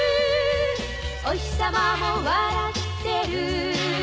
「おひさまも笑ってる」